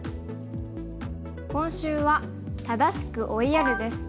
今週は「正しく追いやる」です。